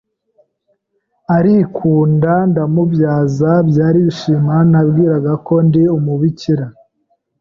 ari kunda ndamubyaza barishima, mbabwira ko ndi umubikira